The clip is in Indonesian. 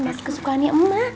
mas kesukaannya emak